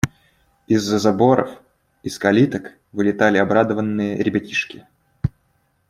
Из-за заборов, из калиток вылетали обрадованные ребятишки.